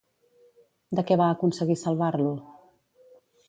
De què va aconseguir salvar-lo?